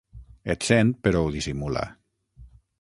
Et sent, però ho dissimula.